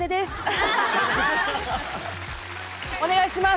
お願いします！